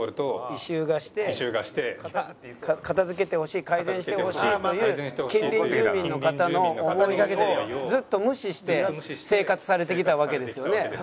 異臭がして片付けてほしい改善してほしいという近隣住民の方の思いをずっと無視して生活されてきたわけですよね？